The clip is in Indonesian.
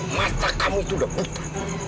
mata kamu itu udah utuh